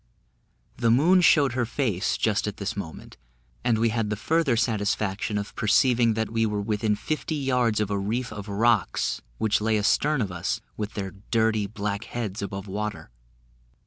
The moon showed her face, just at this moment, and we had the further satisfaction of perceiving, that we were within fifty yards of a reef of rocks which lay astern of us, with their dirty, black heads above water.